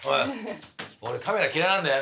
俺カメラ嫌いなんだよ。